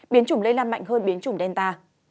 biến chủng lây lan mạnh hơn biến chủng delta